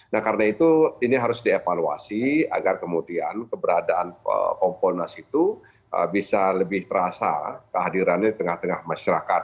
nah karena itu ini harus dievaluasi agar kemudian keberadaan kompolnas itu bisa lebih terasa kehadirannya di tengah tengah masyarakat